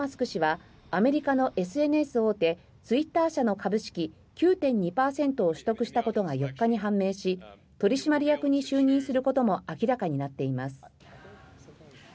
氏はアメリカのＳＮＳ大手ツイッター社の株式９．２％を取得したことが４日に判明し取締役に就任することも明らかになっています。